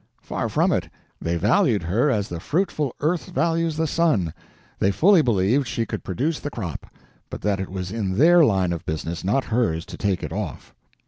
Far from it. They valued her as the fruitful earth values the sun—they fully believed she could produce the crop, but that it was in their line of business, not hers, to take it off.